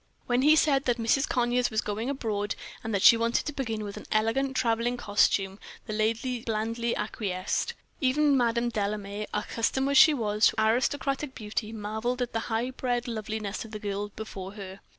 When he said that Mrs. Conyers was going abroad, and that she wanted to begin with an elegant traveling costume, the lady blandly acquiesced. Even Madame Delame, accustomed as she was to aristocratic beauty, marveled at the high bred loveliness of the girl before her.